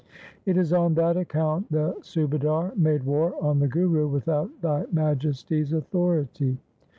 It is on that account the Subadar made war on the Guru without thy Majesty's authority.